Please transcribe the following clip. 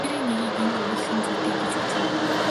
Тэдгээрийн нэгийг энд өгүүлэх нь зүйтэй гэж үзнэ.